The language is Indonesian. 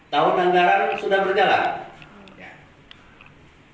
tahun anggaran sudah berjalan